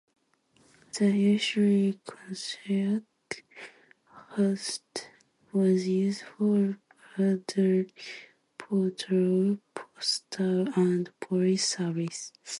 The Ussuri Cossack Host was used for border patrol, postal and police service.